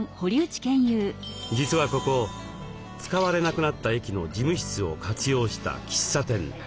実はここ使われなくなった駅の事務室を活用した喫茶店。